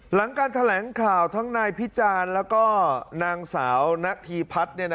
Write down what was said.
หลังการแถลงข่าวทั้งในพี่จานแล้วก็นางสาวนัทธีพัฟร์